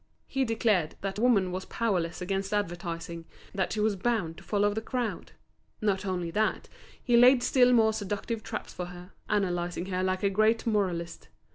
He declared that woman was powerless against advertising, that she was bound to follow the crowd. Not only that, he laid still more seductive traps for her, analysing her like a great moralist.